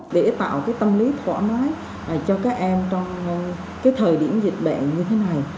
để tạo tâm lý thoải mái cho các em trong thời điểm dịch bệnh như thế này